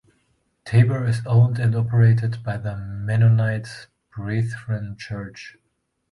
Tabor is owned and operated by the Mennonite Brethren Church.